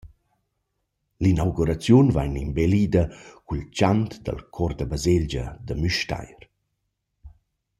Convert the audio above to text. L’inauguraziun vain imbellida cul chant dal cor da baselgia da Müstair.